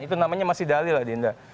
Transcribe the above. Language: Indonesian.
itu namanya masih dalil adinda